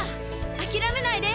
諦めないで！